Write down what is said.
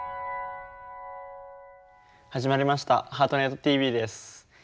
始まりました「ハートネットＴＶ」です。